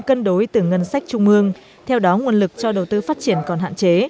cân đối từ ngân sách trung mương theo đó nguồn lực cho đầu tư phát triển còn hạn chế